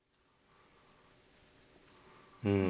うん。